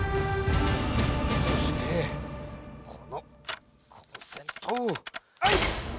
そしてこのコンセントをはい！